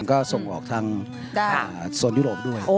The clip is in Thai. ก็ส่งออกทางโซนยุโรปด้วย